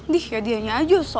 dih ya dianya aja so